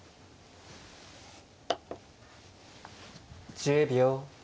１０秒。